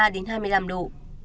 đến hai mươi năm độ